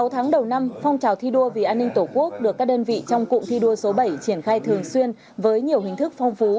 sáu tháng đầu năm phong trào thi đua vì an ninh tổ quốc được các đơn vị trong cụm thi đua số bảy triển khai thường xuyên với nhiều hình thức phong phú